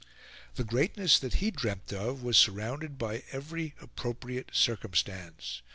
The greatness that he dreamt of was surrounded by every appropriate circumstance.